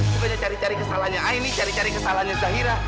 bukannya cari cari kesalahannya aini cari cari kesalahannya zahira